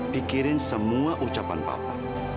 pikirin semua ucapan papa